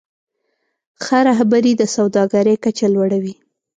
ښه رهبري د سوداګرۍ کچه لوړوي.